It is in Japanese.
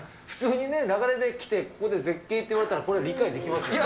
普通にね、流れで来て、ここで絶景って言ったら、これ理解できます。